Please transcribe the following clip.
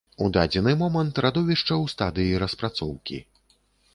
У дадзены момант радовішча ў стадыі распрацоўкі.